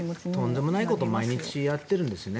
とんでもないことを毎日やってるんですよね。